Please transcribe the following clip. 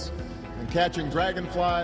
dan menangis dragonfly